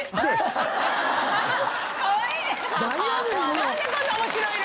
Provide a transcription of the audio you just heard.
何やねん⁉何でこんな面白いの⁉